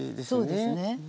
そうですね。